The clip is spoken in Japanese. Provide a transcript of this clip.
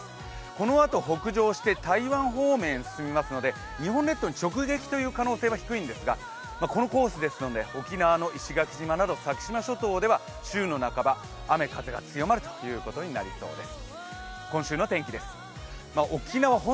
このあと北上して台湾方面へ進みますので、日本列島に直撃という可能性は低いんですがこのコースですので沖縄の石垣島など先島諸島では週の半ば雨風が強まることになりそうです。